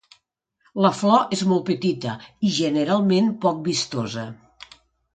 La flor és molt petita i generalment poc vistosa.